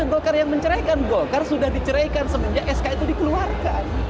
golkar yang menceraikan golkar sudah diceraikan semenjak sk itu dikeluarkan